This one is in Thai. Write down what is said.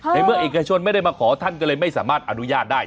ในเมื่อเอกชนไม่ได้มาขอท่านก็เลยไม่สามารถอนุญาตได้